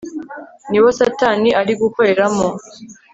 nibo satani ari gukoreramo